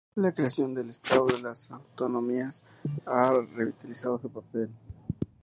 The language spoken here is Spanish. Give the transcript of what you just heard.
La creación del Estado de las autonomías ha revitalizado su papel.